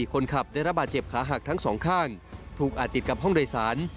คนขับได้ระบาดเจ็บขาหักทั้งสองข้างถูกอาจติดกับห้องโดยสาร